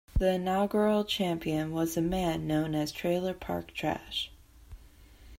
The inaugural champion was a man known as Trailer Park Trash.